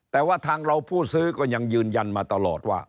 แต่ว่าทางเราผู้ซื้อก็ยังยืนยันมาตลอดว่า